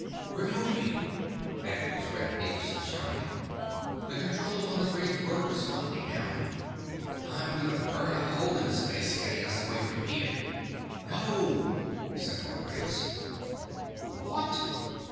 "We're moving!" That was Red Nielson shouting. The controls on the bridge were responding now. "I'm going to burn a hole in space getting us away from here." "No!" said Hargraves. "What?"